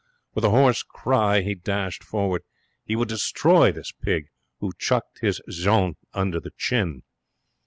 With a hoarse cry he dashed forward. He would destroy this pig who chucked his Jeanne under the chin.